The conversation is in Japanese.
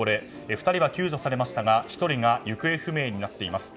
２人は救助されましたが１人が行方不明になっています。